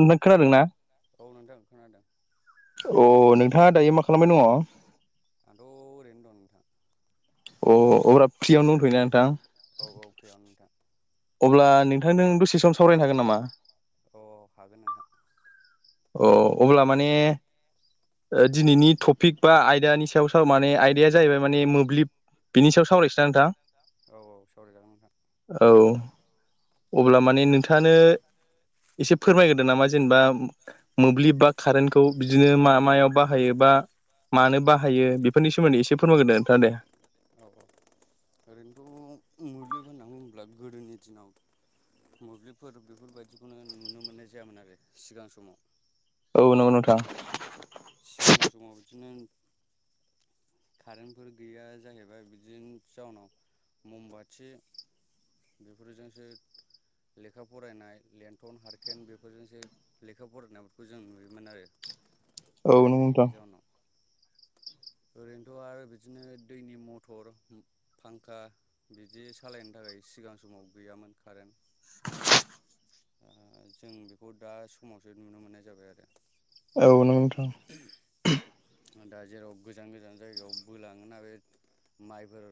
नोंथां खोनादों ना अ नोंथाङा दायो मा खालामबाय दङ आंथ' ओरैनो दं नोंथां। अ अब्ला फ्रियावनो दंथ'योना नोंथां? औ औ फ्रियावनो नोंथां अब्ला नोंथांजों दसे सम सावरायनो हागोन नामा? अ हागोन नोंथां। अ अब्ला माने ओ दिनैनि टपिक बा आयदानि सायाव साव माने आयदाया जाहैबाय माने मोब्लिब बिनि सायाव सावरायसैना नोंथां औ अब्ला माने नोंथाङानो एसे फोरमायगोरदो नामा जेनेबा मोब्लिब बा कारेन्टखौ बिदिनो मा मायाव बाहायोबा मानो बाहायो हायो बेफोरनि सोमोन्दै एसे फोरमायगोरदो नोंथाङा दे औ औ ओरैनोथ' मोब्लिब होनना बुङोब्ला गोदोनि दिनाव मोब्लिबफोर बेफोरबायदिखौनो नुनो मोननाय जायामोन आरो सिगां समाव माने सिगां समाव बिदिनो कारेन्टफोर गैया जाहै फ्राय बिदिनि जाउनाव ममबाथि बेफोरजोंसो लेखा फरायनाय लेन्थन हारखेन बेफोरजोंसो लेखा फरायनायफोरखौ जों नुयोमोन आरो कारेन्ट गैयैनि जाउनाव ओरैनोथ' आरो बिदिनो दैनि मथ टर फांखा बिदि सालायनो थाखाय सिगां समाव गैयामोन कारेन्ट ओ जों बेखौ दा समावसो नुनो मोननाय जाबाय आरो औ नंगौ नोंथां ओ दा जेराव गोजान गोजान जायगायाव बोलाङोना बे माइफोर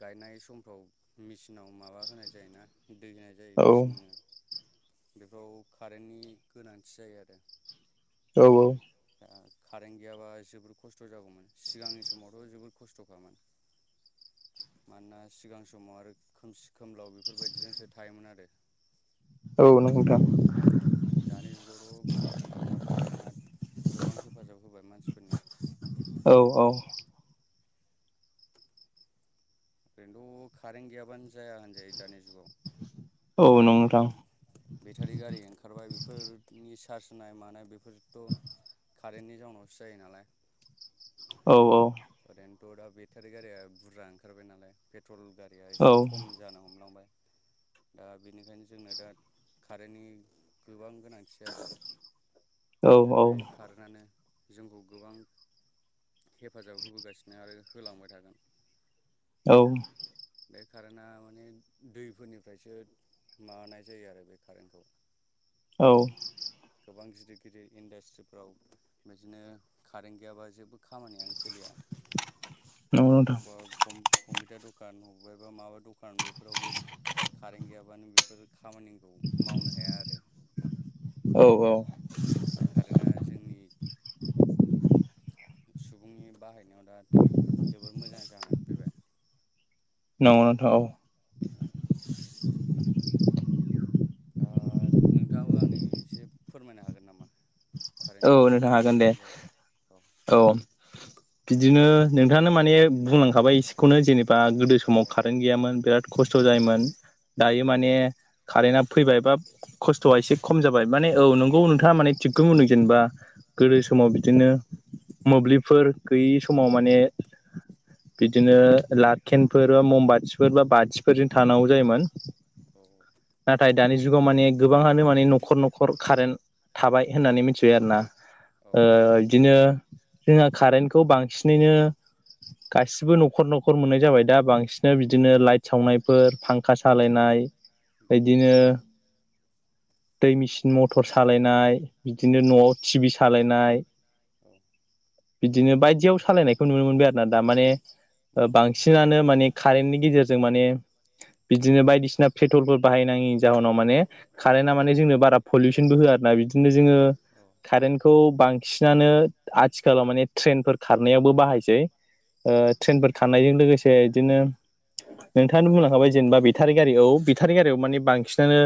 गायनाय समफ्राव मिचिनाव माबा होनाय जायोना दै होनाय जायो मिचिननो बेफोराव कारेन्टनि गोनांथि जायो आरो औ औ दा कारेन्ट गैयाबा जोबोर खस्थ' जागौमोन सिगांनि समावथ' जोबोर खस्थ'खामोन मानोना सिगां समाव आरो खोमसि खोमलाव बेफोरबायदिजोंसो थायोमोन आरो औ नंगौ नोंथां दानि जुगावथ' बुंनो थाङोब्ला कारेन्टआ गोबां हेफाजाब होबाय मानसिफोरनि औ औ ओरैनोथ' कारेन्ट गैयाबानो जाया होनजायो दानि जुगाव ओरै बेटारि गारि ओंखारबाय बेफोरनि चार्ज होनाय मानाय बेफोरथ' कारेन्टनि जाउनावसो जायो नालाय औ औ ओरैनोथ' दा बेटारि गारिया बुरजा ओंखारबाय नालाय पेट्रल गारिया एसे खम जानो हमलांबाय दा बेनिखायनो जोंनो दा कारेन्टनि गोबां गोनां सै आरो आरो बे खारेनानो जोंखौ गोबां हे फाजाब होबोगासिनो आरो होलांबाय थागोन। औ बे खारेना माने दै फोरनिफ्रायसो माबानाय जायो आरो बे कारेन्टखौ औ गोबां गिदिर गिदिर इन्डास्ट्रिफ्राव बिदिनो कारेन्ट गैयाबा जेबो खामानियानो सोलिया बबबा कम-कम्पिउटार दखान अबायबा माबा दखान बेफोरावबो कारेन्ट गैयाबानों बेफोर खामानि औ मावनो हाया आरो। दा कारेना जोंनि सु सुबुंनि बाहायनायाव दा जोबोर मोजां जानानै फैबाय नोंगौथ' औ [unintelligible] दा नोंथाङाबो आंनि एसे फोरमायनो हागोन नामा कारेन्टनि बागै मोब्लिबनि बागै औ औ बिदिनो नोंथाङानो माने बुंलांखाबाय एसेखौनो जेनेबा बा गोदो समाव कारेन्ट गैयामोन बिराद खस्थ' जायोमोन दायो माने कारेन्टआ फैबाय बा खस्थ'आ एसे खम जाबाय माने औ नंगौ नोंथाङा माने थिगखौनो बुंदों। जेनेबा गोदो समाव बिदिनो मोब्लिबफोर गैयि समाव माने बिदिनो लाखेनफोर बा ममबाथिफोर बा बाथिफोरजों थानांगौ जायोमोन। औ नाथाय दानि जुगाव माने गोबाङानो माने न'खर न'खर कारेन्ट थाबाय होननानै मिथिबाय आरो ना ओ बिदिनो जोंहा कारेन्टखौ बांसिनैनो गासिबो न'खर न'खर मोननाय जाबाय दा बांसिना बिदिनो लाइट सावनायफोर फांखा सालायनाय बिदिनो दै मेचिन मटर सालायनाय बिदिनो न'आव टिभि सालायनाय औ बिदिनो बायदियाव सालायनायखौ नुनो मोनबाय आरो ना दा माने ओ बांसिनानो माने कारेन्टनि गेजेरजों माने बिदिनो बायदिसिना पेट्रलफोर बाहायनाङि जाहोनाव माने कारेन्टा माने जोंनो बारा पलिउसनबो होआ आरो ना बिदिनो जोङो अ कारेन्टखौ बांसिनानो आथिखालाव माने ट्रेनफोर खारनायावबो बाहायसै ओ ट्रेन फोर खाननायजों लोगोसे बिदिनो नोंथाङा बुंलांखाबाय जेनेबा बेटारि गारि औ बेटारि गारियाव माने बांसिनानो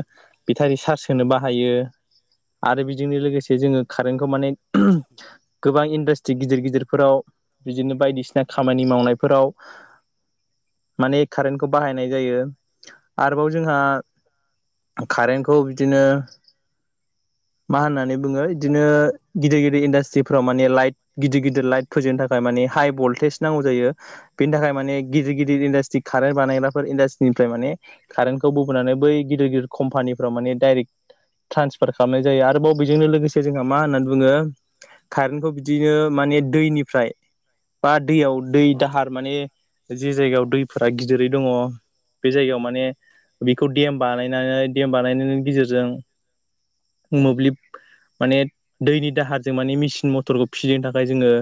बेटारि चार्ज होनो बाहायो आरो बेजोंनो लोगोसे जोङो कारेन्टखौ माने गोबां इन्डास्ट्रि गिदिर गिदिरफोराव बिदिनो बायदिसिना खामानि मावनायफोराव माने कारेन्टखौ बाहायनाय जायो आरोबाव जोंहा कारेन्टखौ बिदिनो मा होननानै बुङो बिदिनो गिदर गदिर इास्ट्रिाव माने लाइ गिदिर गिदिर लाइट फजोंनो थाखाय माने हाइ भल टेस नांगौ जायो बेनि थाखाय माने गिदिर गिदिर इन्डासट्रि कारेन्ट बानायग्राफोर इन्डासट्रिनिफ्राय माने कारेन्टखौ बबोनानै बै गिदिर गिदिर कम्पानिफ्राव माने डाइरेक्ट ट्रान्सफार खालामनाय जायो आरोबाव बेजोंनो लोगोसे जोंहा मा होननानै बुङो कारेेनखौ बिदिनो माने दैनिफ्राय बा दैयाव दै दाहार माने जे जायगायाव दैफोरा गिदिरै दङ बे जायगायाव माने बेखौ देम बानायनानै देम बानायनायनि गेजेरजों मोब्लिब माने दैनि दाहारजों माने मेसिन मथरखौ फिदिंनो थाखाय जोङो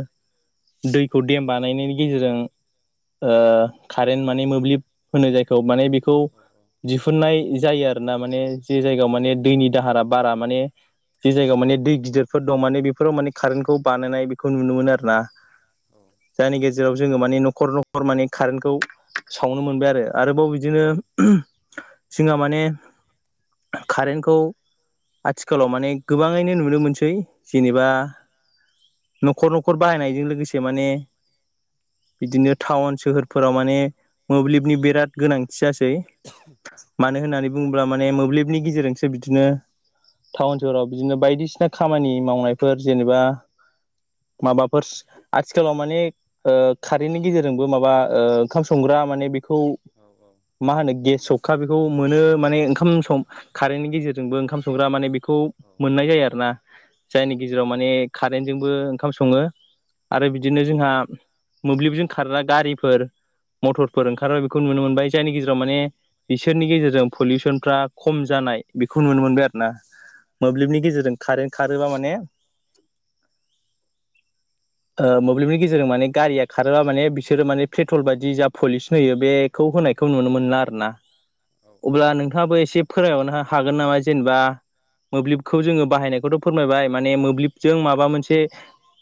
दैखौ देम बानायनायनि गेजेरजों ओ कारेन्ट माने मोब्लिब होनो जायखौ माने बेखौ खौ दिहुननाय जायो आरोना माने जे जायगायाव माने दैनि दाहारा बारा माने जि जायगायाव माने दै गिदिरफोर दं माने बेफोराव माने कारेन्टखौ बानायनाय बेखौ नुनो मोन आरोना औ जायनि गेजेराव जोङो माने न'खर न'खर माने कारेन्टखौ सावनो मोनबाय आरो आरोबाव बिदिनो जोंहा माने कारेन्टखौ आथिखालाव माने गोबाङैनो नुनो मोनसै जेनेबा न'खर न'खर बाहायनायजों लोगोसे माने बिदिनो टाउन सोहोरफोराव माने मोब्लिबनि बिराद गोनांथि जासै मानो होननानै बुङोब्ला माने मोब्लिबनि गेजेरजोंसो बिदिनो टाउन फोराव बिदिनो बायदिसिना खामानि मावनायफोर जेनेबा माबाफोर आथिखालाव माने ओ खारेेनटनि गेजेरजोंबो माबा ओ ओंखाम संग्रा माने खौ मा होनो गेस सौखा बेखौ मोनो माने ओंखाम सं कारेन्टनि गेजेरजोंबो ओंखाम संग्रा माने बेखौ मोननाय जायो आरोना जायनि गेजेराव माने कारेन्जोंबो ओंखाम सङो आरो बिदिनो जोंहा मोब्लिबजों खारग्रा गारिफोर मटरफोर ओंखारबाय बेखौ नुनो मोनबाय जायनि गेजेराव माने बिसोरनि गेजेरजों पलिउसनफ्रा खम जानाय बेखौ नुनो मोनबाय आरोना मोब्लिबनि गेजेरजों खारै खारोबा माने मोब्लिबनि गेजेरजों माने गारिया खारोबा माने बिसोरो माने पेट्रल बादि जा पलिउसन होयो बे खौ होनायखौ नुनो मोनला आरोना अब्ला नोंथाङाबो एसे फोररायहरनो हागोन नामा जेनेबा मोब्लिबखौ जोङो बाहायनायखौथ फोरमायबाय माने मोब्लिबजों माबा मोनसे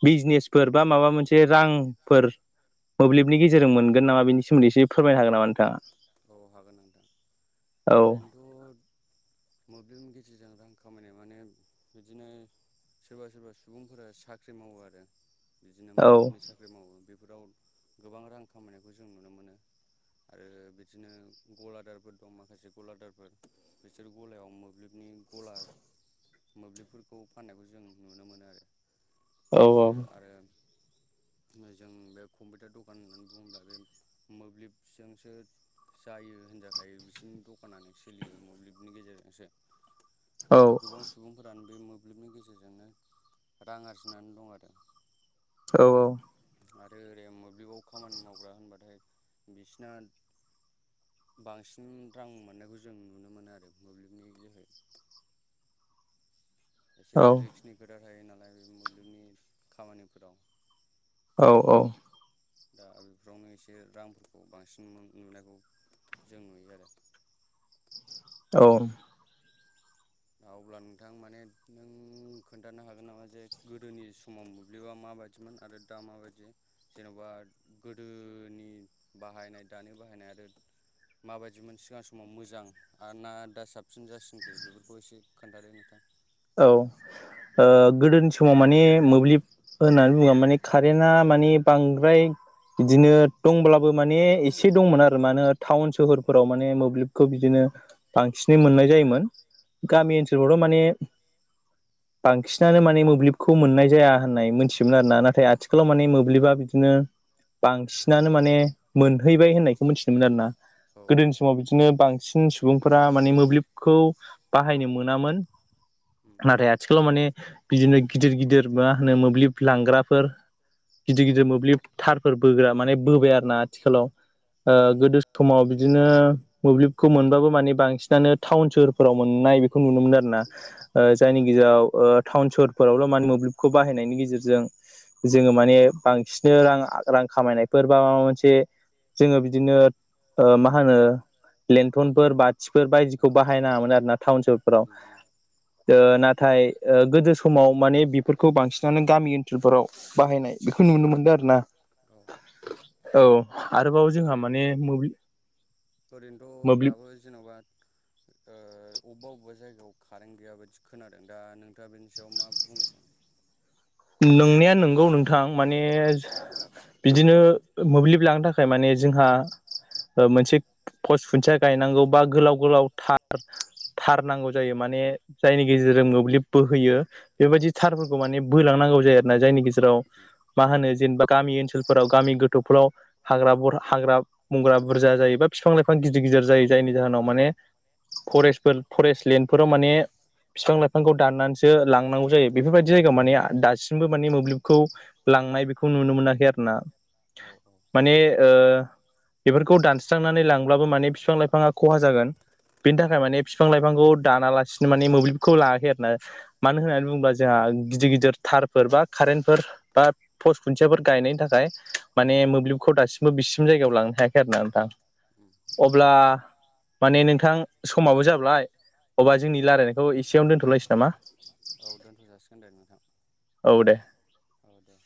बिजनेसफोर बा माबा मोनसे रांफोर मोब्लिबनि गेजेरजों मोनगोन नामा बेनि सोमोन्दै एसे फोरमायनो हागोन नामा नोंथा औ हागोन नोंथां ओरैनोथ मोब्लिबनि गेजेरजों रां खामायनाय माने बिदिनो सोरबा सोरबा सुबुंफोरा साख्रि मावो आरो बिदिनो मोब्लिबनि साख्रि मावो बेफोराव गोबां रां खामायनायखौ जों नुनो मोनो आरो बिदिनो गलादारफोर दं माखासे गलादारफोर बिसोर गलायाव मोब्लिबनि गला मोब्लिबफोरखौ फान्नायखौ जों नुनो मोनो आरो बिसोर आरो जों बे कम्पिउटार दखान होननानै बुङोब्ला बे मोब्लिबजोंसो जायो होनजाखायो बिसोरनि दखानानो सोलियो मोब्लिबनि गेजेरजोंसो दा गोबां सुबुंफोरानो बे मोब्लिबनि गेजेरजोंनो रां आरजिनानै दं आरो औ औ आरो ओरै मोब्लिबाव खामानि मावग्रा होनबाथाय बिसिना बांसिन रां मोननायखौ जों नुनो मोनो आरो मोब्लिबनि जोहै एसे रिक्सनि खोथा थायो नालाय बे मोब्लिबनि खामानिफोराव औ औ दा बेफोरावनो एसे रांफोरखौ बांसिन नुनायखौ जों नुयो आरो औ अब्ला नोंथां माने नों खोन्थानो हागोन नामा जे गोदोनि समाव मोब्लिबा माबायदि सोमोन आरो दा माबायदि जेन'बा गोदोनि बाहायनाय दानि बाहायनाय आरो माबायदिमोन सिगां समाव मोजां आरोना दा साबसिन जासिनखो बेफोरखौ खौ एसे खोन्थादो नोंथां औ ओ गोदोनि समाव माने मोब्लिब होननानै बुङो माने कारेन्टा माने बांद्राय बिदिनो दंब्लाबो माने एसे दंमोन आरो मानो टाउन सोहोरफोराव माने मोब्लिब खौ बिदिनो बांसिनै मोननाय जायोमोन गामि ओनसोलफ्रावथ' माने बांसिनानो माने मोब्लिबखौ मोननाय जाया होननाय मोनथियोमोन आरो ना नाथाय आथि गोलाव माने मोब्लिबा बिदिनो बांसिनानो माने मोनहैबाय होननायखौ मिथिनो मोनो आरोना गोदोनि समाव बिदिनो बांसिन सुबुंफोरा माने मोब्लिबखौ बाहायनो मोनामोन जाय आथिखालाव माने बिदिनो गिदिर गिदिर मा होनो मोब्लिब लांग्राफोर गिदिर गिदिर मोब्लिब थारफोर बोग्रा माने बोबाय आरो ना आथिखालाव ओ गोदो दङ बिदिनो मोब्लिबखौ मोनबाबो माने बांसिनानो टाउन सोहोरफोराव मोननाय बेखौ नुनो मोनो आरो ना ओ जायनि गेजेराव ओ टाउन सहरफोरावल' माने मोब्लिबखौ बाहायनायनि गेजेरजों जोङो माने बांसिन रां रां खामायनायफोर बा माबा मोनसे जोङो बिदिनो ओ मा होनो लेन्थनफोर बा सिफोर बायदिखौ बाहायनाङामोन आरो ना टाउन सहरफोराव ओ नाथाय गोदो समाव माने बेफोरखौ बांसिनानो गामि ओनसोलफोराव बाहायनाय बेखौ नुनो मोन्दों आरो औ औ आ ओरैनो ओरैनोथ' दाबो जेन'बा ओ अबेबा अबेबा जायगायाव कारेन्ट गैया बायदि खोनादों दा नोंथाङा बेनि सायाव मा बुंनो सानो नोंनाया नोंगौ नोंथां माने ओ बिदिनो मोब्लिब लांनो थाखाय माने जोंहा मोनसे पस खुन्थिया गायनांगौ बा गोलाव गोलाव थार थार नांगौ जायो माने जायनि गेजेरजों मोब्लिब बोहैयो बेबायदि थारफोरखौ माने बोैलांनांगौ जायो आरोना जायनि गेजेराव मा होनो जेनेबा गामि ओनसोलफोराव गामि गोथौफोराव हाग्रा बरा हाग्रा बंग्रा बुरजा जायोबा बिफां लाइफां गिदिर गिदिर जायो जायनि जाहोनाव माने फरेस्टफोर फरेस्ट लेण्ड फोराव माने बिफां लाइफांखौ दाननानैसो लांनांगौ जायो बेफोरबायदि जायगायाव माने दासिमबो माने मोब्लिबखौ लांनाय बेखौ नुनो मोनाखै आरो ना माने ओ बेफोरखौ दानस्रांनानै लांब्लाबो माने बिफां लाइफाङा खहा जागोन बेनि थाखाय माने बिफां लाइफांखौ दानालासिनो माने मोब्लिबखौ लाङाखै आरो ना मानो होननानै बुङोब्ला जोंहा गिदिर गिदिर बा कारेनटफोर बा पस्ट खुन्थियाफोर गायनायनि थाखाय माने मोब्लिब खौ दासिमबो बिसिम जायगायाव लांनो हायाखै आरो ना नोंथां अब्ला माने नोंथां समाबो जाब्लाय अबब्ला जोंनि रायलायनायखौ एसेयावनो दोनथ'लायसै नामा औ दोन्थ' जासिगोन दे नोंथां औ दे अ दे